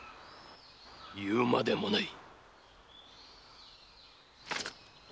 言うまでもない。